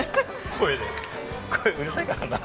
声うるさいからな。